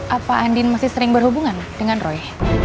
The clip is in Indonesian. apa andin masih sering berhubungan dengan roy